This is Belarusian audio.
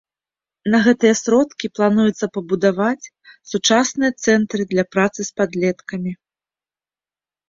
На гэтыя сродкі плануецца пабудаваць сучасныя цэнтры для працы з падлеткамі.